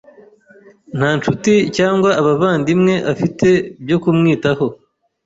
Nta nshuti cyangwa abavandimwe afite byo kumwitaho.